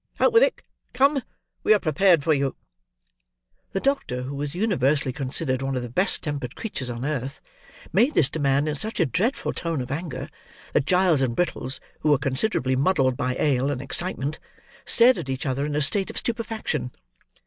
Out with it! Come! We are prepared for you!" The doctor, who was universally considered one of the best tempered creatures on earth, made this demand in such a dreadful tone of anger, that Giles and Brittles, who were considerably muddled by ale and excitement, stared at each other in a state of stupefaction.